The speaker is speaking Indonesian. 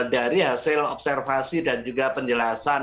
dari hasil observasi dan juga penjelasan